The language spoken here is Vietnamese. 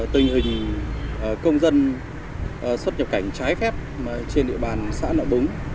tình hình công dân xuất nhập cảnh trái phép trên địa bàn xã nợ búng